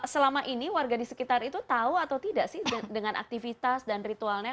selama ini warga di sekitar itu tahu atau tidak sih dengan aktivitas dan ritualnya